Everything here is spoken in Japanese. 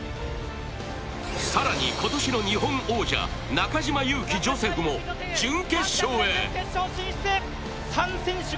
更に今年の日本王者、中島佑気ジョセフも準決勝へ。